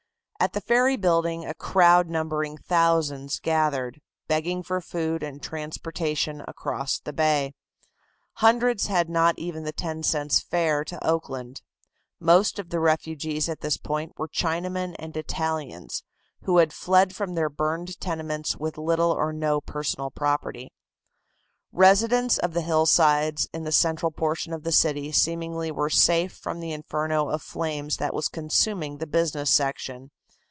At the ferry building a crowd numbering thousands gathered, begging for food and transportation across the bay. Hundreds had not even the ten cents fare to Oakland. Most of the refugees at this point were Chinamen and Italians, who had fled from their burned tenements with little or no personal property. Residents of the hillsides in the central portion of the city seemingly were safe from the inferno of flames that was consuming the business section.